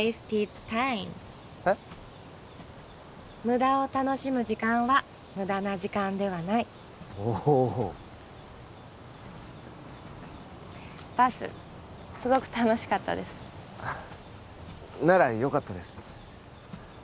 無駄を楽しむ時間は無駄な時間ではないおおバスすごく楽しかったですならよかったです